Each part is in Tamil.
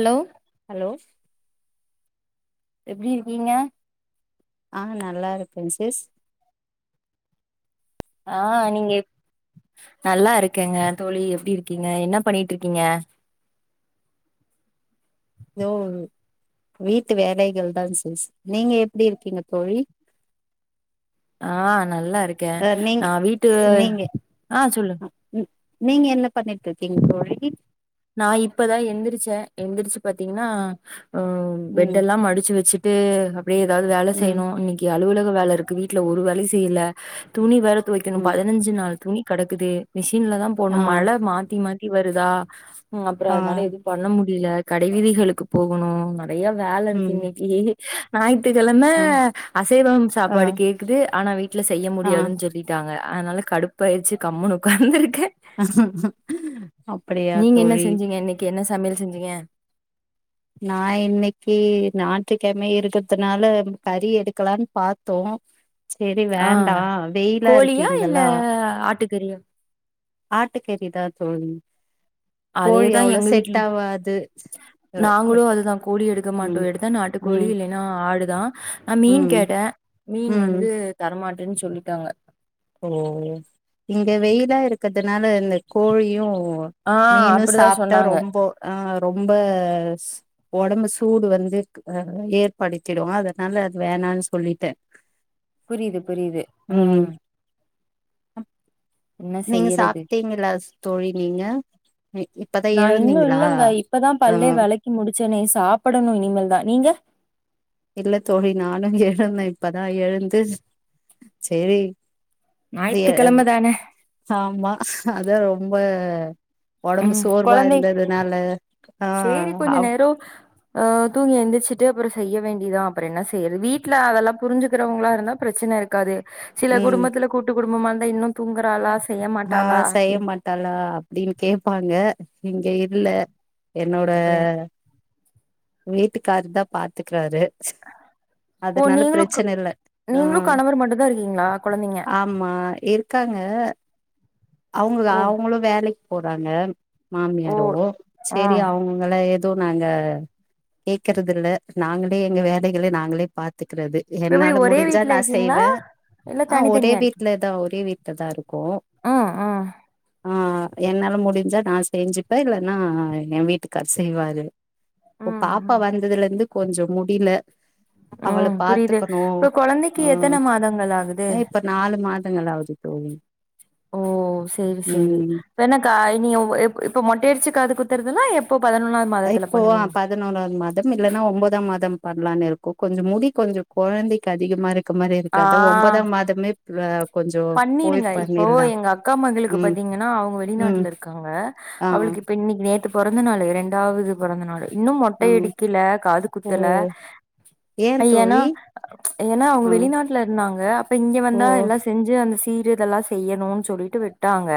ஹலோ ஹலோ எப்படிருக்கீங்க ஆஹ் நல்லா இருக்கன் சிஸ் ஆஹ் நீங்க நல்லா இருக்கங்க தோழி எப்டி இருக்கீங்க என்ன பண்ணிட்டுருக்கீங்க ஏதோ வீட்டு வேலைகள் தா சிஸ் நீங்க எப்படி இருக்கீங்க தோழி ஆஹ் நல்லா இருக்கே அ நீங்க நா வீட்டு நீங்க ஆஹ் சொல்லு ம் நீங்க என்ன பண்ணிட்டு இருக்கீங்க தோழி நா இப்பதா எந்திரிச்சே எந்திரிச்சு பாத்தீங்கன்னா ஆ பெட் ம் எல்லா மடிச்சு வச்சு டு அப்படியே ஏதாவது வேல ம் செய்யணு இன்னைக்கு அலுவலக வேல இருக்கு வீட்ல ஒரு வேலயு செய்யல துணி வேர துவெக்கனு ம் பதினஞ்சு நாள் துணி கெடக்குது மிஷ் ன்லதா போடுணு ஆ மழ மாத்தி மாத் தி வருதா ம் அப்ற ஆ அதனால எது பண்ண மு டில கட வீதிகளுக்கு போகணு நெறைய வேல இருக்கு ம் இன்னைக்கு நாயித் துகிழம ஆ அசைவம் ஆ சாப்பாடு கேக்குது ஆனா வீட்டுல செய்ய ஆ முடியாதுன்னு சொல்லிட்டாங்க அதனால கடுப்பாய்ருச்சு கம்முன்னு உக்காந்துருக் அப்படியா தோழி என்னைக்கு என்ன சமையல் செஞ்சிங்க நா இன்னைக்கு ஞாற்றுக்கெழம இருக்கிறதுனால கறி எடுக்கலான் பாத்தோ செரி ஆ வேண்டா வெயிலா இருக்கு கோழியா இல்ல ஆட்டுக்கறியா ஆட்டுக்கறிதா தோழி கோழி அதேதா அவ்ளோ எங்க செட் வீட்ல ஆவாது நாங்களு அதுதா கோ க்க மாட்டோ ம் எடுத்தா நாட்டு கோழி ம் இல்லேன்னா ஆடு தா ஆ மீன் ம் கேட்டே மீன் ம் வந்து தரமாட் டேன் சொல்லிட்டாங்க ஓ இதனால இந்த கோழியு ஓ ஆ மீனு அப்படிதா சாப்ட்டா சொன்னாங்க. ரொம்ப ஆஹ ரொம்ப உடம்பு சூடு வந்து ஆ ஏற்படுத்திடுமா அதனால அது வேணான்னு சொல்லிட்டே புரியுது புரியுது உம் அம் நீங்க செய்யறது? சாப்டீங்களா தோழி நீங்க இ இப்பதா நா இன்னு எழுந்தீங்களா இல்லேங்க இப்பதா ஆ பல்லே வேளக்கி முடி செனே சாப்பிடணு இனிமேல் தா நீங்க இல்ல தோழி நானு எழுந்தேன் இப்பதா எழுந்து சேரி வெய்ய வ் ஞாயித்துக்கிழம தான ஆமா அதா ரொம்ப ப ஒடம்பு ம் சோர்வா கொழந்தை இருந்ததுனால ஆ சேரி கொஞ்ச அவ் நேரோ அ தூங்கி எந்துரிச்சு அப்புற செய்ய வேண்டிதா அப்புற என்ன செய்யற் வீட்ல அதல்லா புரிஞ்சுக்குறங்ளா இருந்தா பிரச்சன இருக்காதே சில குடும்பத்துல கூட்டு குடும்பமான் அ இன்னு தூங்குறாளா செய்ய அ மாட்டாளா செய்ய அப்டின் மாட்டாளா அப்டீன் கேப்பாங்க இங்க இல்ல என்னோட அப்டி வீட்டுக்காரு தா பாத்துக்றாரு ஓ நீங்களு இல்ல ஆ நீங்களு கணவர் மட்டு தா இருக்கீங்ளா கொழந்தைங்க காங்க அவுங்கு ஓ அவுங்குளு வேலைக் போறாங்க ஓ மாமியரோ ஆ செரி அவுங்களே எதூநாங்க கேக்கறது இல்ல நாங்களே எங்க வேலைகளை நாங்களே பாத்து இருக்றது எப்டி என்னால ஒரே முடிஞ்சா வீட்ல நா இருக்கீங்களா செய்வே இல்ல ஆ ஒரே தனித்தனியா இருக்கீங் வீட்லதா ஒரே வீட் கதா இருக்கோ ஆ ஆ என்னால முடிஞ்சா நா செஞ்சுப்பே இல்லன்னா ஏ வீட்டுக்கார் செய்வாரு ம் பாப்பா ம் வந்ததுல இருந்து கொஞ்சம் முடில அவள ம் புரியுது பாத்துக்கணு இப்ப கொழந்தைக்கு ஹ் எத்தன மாதங்கள் ஆகுது அ இப்ப நாலு மாதங்கள் ஆவுது தோழி ஓ செரி செரி ம் ப்ப என்ன கா இனி உ இப் இப்ப மொட்டையடிச்சு காது குத்து துன்னா எப் இப்போ பதினோராவது மாதம் இல்லன்னா ஒன்பதாம் மாதம் பண்ணலான்னு இருக்கோ கொஞ்சொ முடி கொஞ்சொ கொழந்தைக்கு அதிகமா இருக் க்க மாரி இருக்காது ஒம்பதா மாதமே துல பண்ணிருங்க இப்போ எங்க அக்கா மகளுக்கு ம் பாத்தீங்கன்னா அவங்க ம் வெளிநாட்டுல இருக்காங்க ஆ அவளுக்கு இப்ப இன்னைக்கு நேத்து பொறந்த நாளு ரெண்டாவது பொறந்த நாளு இன்னு ஆ மொட்டை அடிக்கல காது ஓ குத்தல ஏ ஏன்னா தோழி ஏன்னா அவங்க ஆ வெளிநாட்டுல இருந்தாங்க அப்ப இங்க ஓ வந்தா எல்லா அந்த சீர இதெல்லா செய்யணு சொல்ட்டு விட்டாங்க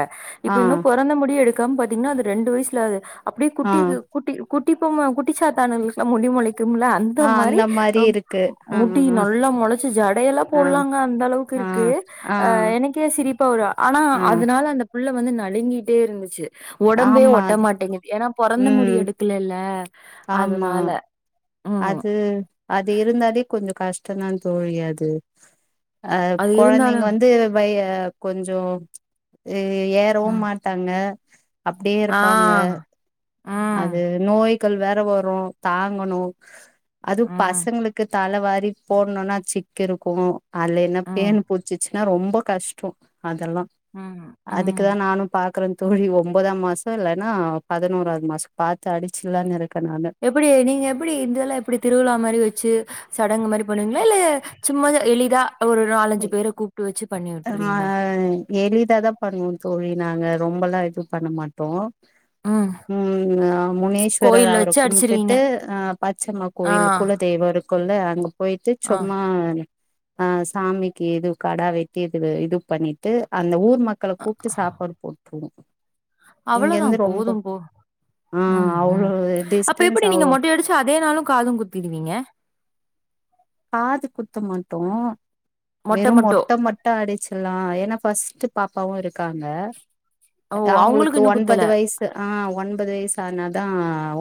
இப்ப ஆ இன்னு பொறந்த முடி எடுக் க்காம் பாத்தீங்ன்னா அது ரெண்டு வய்சுலது அப்டியே ஆ குட்டிக் குட்டி குட்டிபொம்ம குட்டி சாத்தானுகளுக்லா முடிமொள க்கும்ல அந்த ஆ மாரி இருக்கு ஆ முடி ஆ நல்லா மொளச்சு ஜடையெல்லா ஆ போட்லாங்க அந்த அளவுக்கு ஆ இருக்கு. ஆ அஹ் எனக்கே சிரிப்பா வரு ஆனா ஆ அதுனால அந்த புள்ள வந்து நலுங்கிட்டே இருந்துச்சு உடம்பே ஆமா ஒட்ட அது மாட்டேங்கு ஏன்னா பொறந்த முடி ம் எடுக்கலேல்ல ஆமா அதனால ம் அது அது இருந்தாதே கொஞ்ச கஷ் டந்தா தோழி அது அஹ் அது குழந்தைங்க இருந்தாலும் வந்து பய அ கொஞ்சோ ம் ஏறவும் ம் மாட்டாங்க அப்டியே ஆ இருப்பாங்க ம் அது நோய் க்கள் வேற வரு தாங்கணு அது ம். பசங்ளுக்கு தலவாரி போடணுனா சிக்கு இருக்கு. ஆலைனா ம் பேன் புச்சுச்சு னா ரொம்போ கஷ்டோ அதெல்லா ம் ம் அதுக்குதா நானு பாக்குற. தோழி ஒம்பதாம் மாசோ இல்லனா பதினோராது மாசோ பாத்து அடிச்சுலான்னு இரு எப்பிடி நீங்க எப்பிடி இதெல்லா எப்டி திருவிழா மாரி வெச்சு சடங்குமாரிப் பண்ணுவிங்ளா இல்ல சும்மா எளிதா ஒரு நாலஞ்சு பேர கூப்ட்டு வெச்சு ஆமா எளிதாதா பண்ணுவோ தோழி நாங்க ரொம்பெல்லா இது பண்ண மாட்டோ. ம் உம் முனேஸ்வரர் கோயில்ல அவர வச்சு அடிச்சிருவீங்க கும்பிட்டுட்டு அஹ் பச்சம்மா ஆ கோயில் குலதெய்வோ இருக் குல்ல அங்க போய்ட்டு ஆ சும்மா ஆஹ் சாமிக்கு எது கெடா வெட் டீகிது இது பண்ணிட்டு அந்த ஊ மக்கள கூப்ட்டு சாப்பாடு போட்ருவோ அவ்ளதா இங்கருந்து ரொம்ப போதும் போ ஆ ம் ம் அவ்ளோ அப்ப டிஸ்டன்ஸ் எப்டி அவ் நீங்க மொட்டை அடிச்சு அதே நாளு காது குத்தீடுவீங்க காது குத்த மாட்டோ வெறு மொட்ட மட்டு அடிச்சில்லா ஏனா ஃபஸ்ட்டு பாப்பாவு இருக்காங்க ஓ அவங்களுக்கு அவுங்குளுக்கு இன்னு குத்தல ஒன்பது வய்சு அ ஒன்பது வய்சு ஆனாலு தா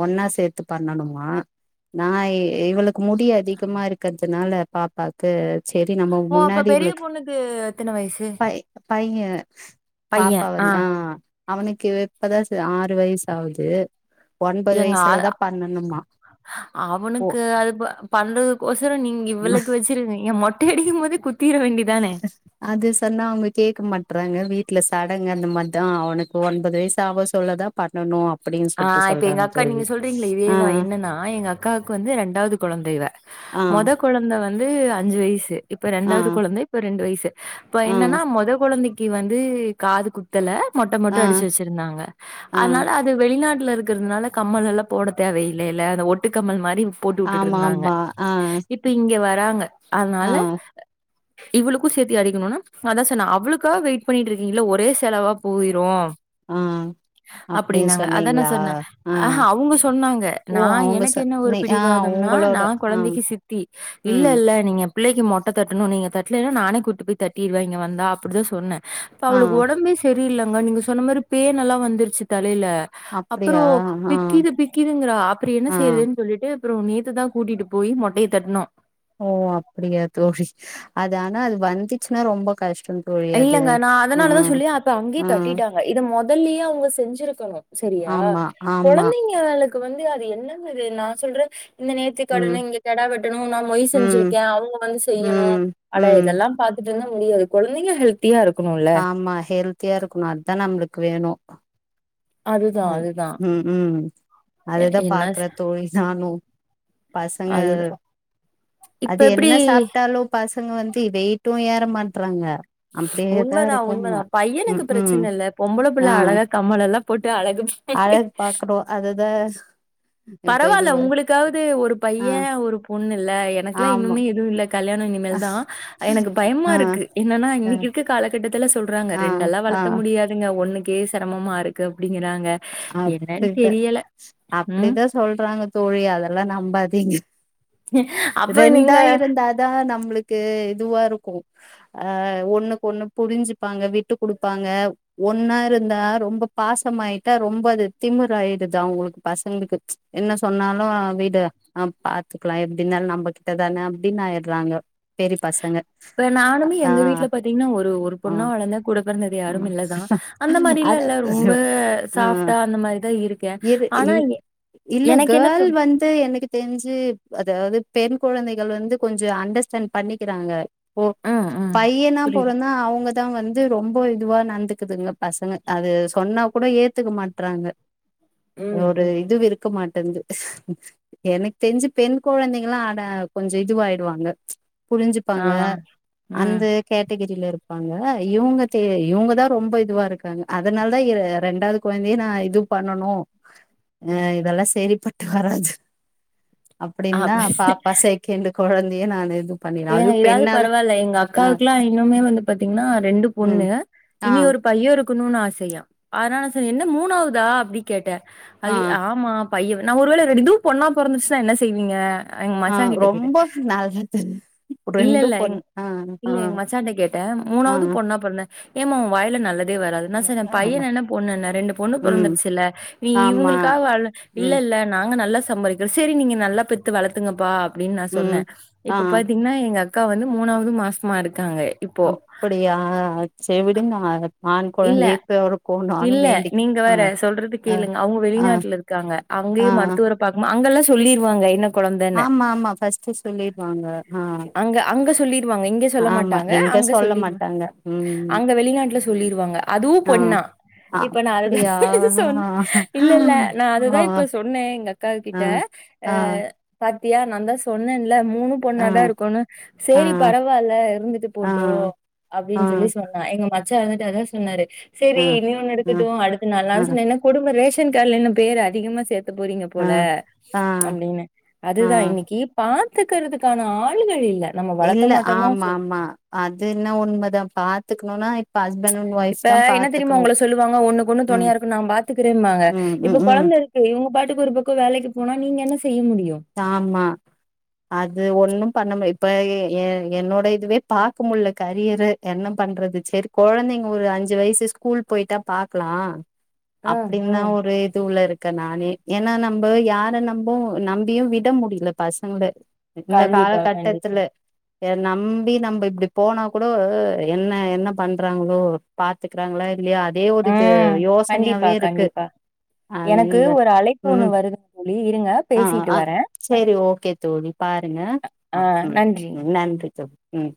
ஒன்னா சேத்து பண்ணணுமா நா இ இவளுக்கு முடி அதிகமாரு கதுனால பாப்பாக்கு செரி நம்ப ஓ அப்ப முன்னாடி பெரிய இவுளுக்கு பொண்ணுக்கு எத்தன வயசு பை பைய பாப்பா வந் ஆ அவனுக்கு இப்பதா ச ஆறு வய்சு ஆவுது எங்க ஆயா ஓ அவனுக்கு அது ப பண்றதுக்கு கோச ப்றன் நீங் இவ்ளக் வெச்சிருகிங்க மொட்டை அடிக்கும் மோதே குத்திற வேண்டி அது சொன்னா அவ்ங்க கேக்க மாட் ட்றாங்க வீட்ல சடங்கு அந்த மாட்தா அவனுக்கு ஒன்பது வயசு ஆவ சொல்லதா பண்ணனு அ ஆ இப்ப எங்க அக்கா நீங்க சொல்றீங்கல ஆ இதேதா என்னன்னா எங்க அக்காக்கு வந்து ரெண்டாவ்து கொழந்த இவ ஆ மொத கொழந்த வ ந்து அஞ்சு வய்சு இப்ப ஆ ரெண்டாவ்து கொழந்த இப்ப ரெண்டு வய்சு இப்ப ஆ என்னன்னா மொத கொழந்தை டி வந்து காது குத்தல மொட்ட ஆ மட்டு அடிச்சு வெச்சிருந்தாங்க ஆ அதனால அ வெளிநாட்ல இருக்கறதுனால கம்மல் எல்லா போட தேவையில்லைல்ல அந்த ஒட்டுக்கம்மல் மாரி போட்டு ஆமா உட்டுட்ருந்தாங்க ஆமா ஆ இப்ப இங்க வ றாங்க ஆ அதனால இவ்ளுக்கு சேத்தி அடிக்கணுனா அதா சொன்னே அவுளுக்காவ் வெயிட் பண்ணிட்ருக்கீங்கள்ல ஒரே செலவா போயிரு ஆ அப்டின்னு ப்டினாங்க அதா நா சொன்னீங்களா சொன்னே ஆ ஆஹா அவுங்க சொன்னாங்க ஓ நா அவங்க ச எனக்கு என்ன ஒரு நீ ஆ பிடிவாதம்னா உங்களோட நா ஆ கொழந்தைக்கு சித்தி இல்ல ம் இல்ல நீங்க பிள்ளைக்கு மொட்டதட்டணு நீங்க தட்லீணா நானே கூட்டு போய் தட்டிருவே இங்க வந்தா அப்டிதா சொன்னே இப்ப ஆ அவுளுக் ஒடம்பே செ ரி இல்லங்க நீங்க சொன்ன மாரி பேன் எல்லா வந்துருச்சி தலைல அப்புறோ அப்டியா ஆ பிக்கிது பிக்கிதுங்றா அப்றோ என்ன ஆ செய்யறதுன் சொல்லிட்டு ப்றோ நேத்து தா கூட்டிட்டு போயி மொட்டைய தட்னோ ஓ அப்டியா தோழி அது ஆனா அது வந்துச்சுனா ரொம்ப கஷ் இல்லங்க நா அதனாலதா சொல்லி அப்ப அங்கயே ஆ கட்டிட்டாங்க இத மொ முதல்லயே அவுங்க செஞ்சிருக்கணு சரியா ஆமா ஆமா கொழந்தைங்களுக்கு க்கு வந்து அது என்னங்குது நா சொல்ற இந்த நேத்தி ம் கடனு இங்க கெடா வெட்டணு நா மொய் ம் செஞ்சிருக்க அவுங்க வந்து செய்யணு ம் அட ம் இதெல்லா பாத்து ட்டுருந்தா முடியாது கொழ ந்தைகங்க ஹெல் ஆமா ஹெல்த்தியா இருக்கணு அதுதா நம்மளுக்கு வேணு அ அதுதான், அதுதான். உம் உம் எ அதுதா என்ன பாக்குற தோழி நானு பசங்க அதுதான். இப்ப அது எப்படி என்ன சாப்பிட்டாலூ பசங்க வந்து வெயிட்டு ஏற மாட்றாங்க அப்டியேதா உண்மதா இருக்காங்க உண்மதா பையனுக்கு ம் ம் பிரச்சன இல்லை பொம்பள ஆ புள்ள அழகா கம்மல எல்லா போட்டு அழகு பாக்குறோ அதுதா கு பரவால்ல உங்களுக்காவது ஒரு ஆ பையன் ஒரு பொண்ணு இல்ல எனக்கெல்லா ஆமா இன்னுமே எதுவு இல்ல கல்யாணோ இனிமேல்தா எனக்கு பயமா ஆ இருக்கு என்னன்னா ஆ இன்னைக்கு இருக்க காலகட்டத் த்துல சொல்றாங்க ரெண்டெல்லா ஆ ஆ வளத்த முடியாதுங்க ஒன்னு கே சிரமமா இருக்கு அப்பிடி இ க்கிறாங்க என்னன்னு அப்டிதா தெரியல ம் அப்டிதா சொல்றாங்க தோழி அதெல்லாம் நம்பாதீங்க அப்ப நீங்க ரெண்டா இருந்தாதான் நம்மளுக்கு இதுவா இருக்கும் ஆ ஒண்ணுக்கு ஒண்ணு புரிஞ்சுப்பாங்க விட்டு குடுப்பாங்க ஒன்னா இருந்தா ரொம்ப பாசமாயிட்டு ரொம்ப அது திமிர் ஆயிடுச்சா உங்க பசங்களுக்கு ம்ச் என்ன சொன்னாலும் விடு அ பாத்துக்கலாம் எப்பிடினாலும் நம்ம கிட்டதானே அப்பிடின்னு ஆயிடுறாங்க பெரிய பசங்க இப்ப நானுமே ஆ எங்க வீட்ல பாத்தீங்கன்னா ஒரு ஒரு ஆ பொண்ணா வளர்ந்தேன் கூட பெறந்தது ஆ யாருமே இல்லதான் அந்த மாரில்லா அத இல்ல ரொம்ப ஆ சாஃப்ட்டா அந்த மாரி தான் இருக்கேன். இரு ஆனா எ இல்ல எனக்கு என்ன தோ கேர்ள் வந்து எனக்கு தெரிஞ்சு அதாவது பெண் கொழந்தைகள் வந்து கொஞ்சம் அண்டர்ஸ்டாண்ட் பண்ணிக்கிறாங்க ஓ ம், ம். பையனா புரியுது. பொறந்தா அவுங்க த்தவங்க வந்து ரொம்ப இதுவா நடந்துக்குதுங்க பசங்க அது சொன்னா கூட ஏத்துக்க மாட்டறாங்க ம், ஒரு ம். இதுவும் இருக்க மாட் தெரிஞ்சு எனக்கு தெரிஞ்சு பெண் கொழந்தைங்கல்லாம் அத கொஞ்சம் இதுவாயிடுவாங்க ஆ, புரிஞ்சுப்பாங்க ம். அந்த கேட்டகிரில இருக்கும் இருப்பாங்க இவுங்க செரி இவுங்கதான் ரொம்ப இதுவா இருக்கறாங்க அதனால தான் இ ரெண்டாவது குழந்தைய நான் இது பண்ணனும் ஆஹ் இதல்லாம் சேரிப்ப மகாராஜ [unintelligible] அப்படிங்கலா அப் பாப்பா செகண்டு கொழந்தையே நான் எதுவும் ஏங்க இதாவது பரவாயில்ல எங்க அக்காவுக்கெல்லாம் இன்னுமே வந்து பாத்தீங்கன்னா ரெண்டு ம் பொண்ணு ஆ இனி ஒரு பையன் ஒரு பெத்துகுன்னுன்னு ஆசையா அதனால என்ன மூணாவதா அப்படின்னு கேட்டே ஆ அது ஆமாப் பையன் நான் ஒரு வேளை ரெண்டுதும் பொண்ணா பொறந்துருச்சுனா என்னா செய்வீங்க எங்க ஆ மச்சா கிட்ட கேட்டே ரொம்ப நல்லது [unintelligible] இல்ல இல்ல எங் பொண்ணு ஆ ஆ இல்ல எங்க மச்சாண்ட கேட்டேன் ஆ மூணாவது பொண்ணா பொறந்தா ஏமா உம் வாயில நல்லது வராது நா சொன்ன ஆ பையன் என்ன பொண்ணு என்ன ரெண்டு பொண்ணு ம் பொறந்துடுச்சு இல்ல நீ ஆமா இவங்களுக்காக வாழ் இல்ல ம் இல்ல நாங்க நல்லா சம்பாரிக்க சரி நீங்க நல்லா பெத்து வளர்த்துங்கப்பா அப்படின்னு நான் ம் சொன்னேன் இப் ஆ இப்ப பாத்தீங்கன்னா எங்க கா வந்து மூணாவுது மாஸ்மா இருக் அப்டியா சே விடுங்க அத ஆண் இல்ல கொழந்தையே பெறக் இல்ல நீங்க வேற சொல்றது ஆ கேளுங்க அவுங்க ஆ வெளிநாட்ல இருக்காங்க ஆ அங்கயே மருத்துவரை பாக்கமா அங்கெல்லா சொல்லிர்வாங்க என்ன கொழந்தன்னு ஆமா ஆமா ஃபர்ஸ்ட் சொல்லிருவாங்க ஆ அங்க அங்க சொல்லிர் வாங்க இங்க சொல்ல ஆமா மாட்டாங்க எங்க அங்க சொல்ல சொல்லிருவா மாட்டாங்க ம் அங்க வெளிநாட்டுல சொல்லிருவாங்க அதுவு ஆ பொண்ணா இப்ப நா அததா அப்படியா சொன் இல்ல இல்ல நா அததா ஆ இப்ப சொன்னே எங்க அக்கா ஆ கிட்ட ஆ பாத் தியா நான்தா சொன்னேன் ல மூணு பொண்ணாதா இருக் குன்னு ஆ ஆ சேரி பரவாயில்ல இருந்துட்டு ஆ ஆ போட்டு ஆ அப்டின் சொல்லி சொன்னா எங்க மச் ச்சா இருந்துட்டு அதா சொன்னாரு சேரி நீ ஒன்னு இருக்கட்டு அடுத்து நான்லா ஆ சொன்னே என்ன குடும்ப ரேஷ ன்கார்டுல இன்னு பேர் அதிகமா சேத் த போறீங்க ஆ போல ஆ அப்படின்னு, ஆ அதுதா இன்னைக்கி பா த்துகருதுக்கான ஆ ளுங்க இல்ல நம்ம வளர்த்த இல்ல மாட்டோமோ சொ ஆமா ஆமா அது என்ன உண்மைதா பாத்துக் னுனா இப்ப என்ன தெரியுமா உங்கள சொல்லுவாங்க ஒண்ணுக்கு ஒண்ணு ம் துணையா இருக்கு நா பாத்துக்கிறேம்பாங்க ம் இப்ப ம் ம் கொழந்தை இருக்கு இவங்க பாட்டு க்கு ஒரு பக்க வேலைக்கு போனா நீங்க என்ன செய்ய முடியும் ஆமா அது ஒண்ணு பண்ண முடியா இப் ப எ என்னோட இதுவே பாக்க முடியல கரியரு என்ன பண்றது சேரி கொழந்தைங்க ஒரு அஞ்சு வயசு ஸ்கூல் போயிட்டா பாக்கலா ம் அப்டின்தா ம் ஒரு இதுவுல இருக்கே நானே ஏன்னா நம்ப யார நம்பவு நம் பியு விட முடில பசங்கள இந்த கண்டிப்பா கண்டிப்பா காலகட்டத்துல யார நம்பி நம்ம இப்படி போனா கூட என்ன என்ன பண்றாங்களோ பாத்துக்றாங்களா இல்லையா அதே ஒரு இது ம் கண்டிப்பா யோசனையாவே இருக்கு கண்டிப்பா எனக்கு அந்த, ஒரு அழைப்பு ஒண்ணு ம், வருதுங்க தோழி இருங்க ஆ பேசிட்டு அ வரேன் சேரி ஓகே தோழி பாருங்க, ஆ, ம், நன்றி தோழி ம்